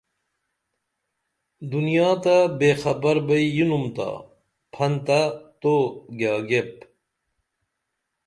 دنیا تہ بے خبر بئی یِنُم تا پھنتہ تو گیگیئپ